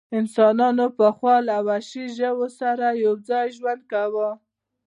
انسانانو پخوا له وحشي ژوو سره یو ځای ژوند کاوه.